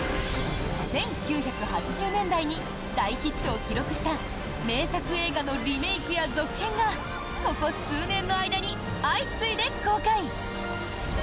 １９８０年代に大ヒットを記録した名作映画のリメイクや続編がここ数年の間に相次いで公開。